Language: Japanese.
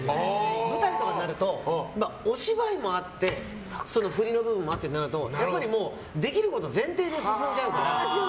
舞台とかになるとお芝居もあってその振りの部分もあってとなるとやっぱりできること前提で進んじゃうから。